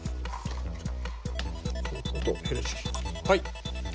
はい。